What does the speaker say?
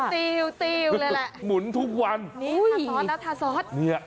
ตี๋วเลยแหละหมุนทุกวันทาซอสแล้วทาซอส